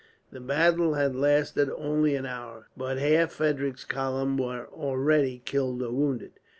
The battle had lasted only an hour, but half Frederick's column were already killed or wounded.